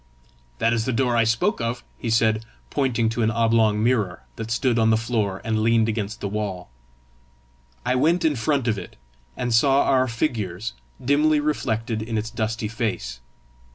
"That is the door I spoke of," he said, pointing to an oblong mirror that stood on the floor and leaned against the wall. I went in front of it, and saw our figures dimly reflected in its dusty face.